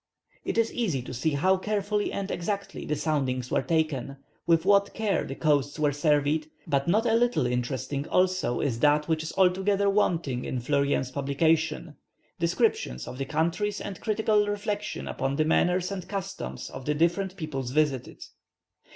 It is easy to see how carefully and exactly the soundings were taken, with what care the coasts were surveyed; but not a little interesting also is that which is altogether wanting in Fleurien's publication, descriptions of the countries and critical reflections upon the manners and customs of the different peoples visited.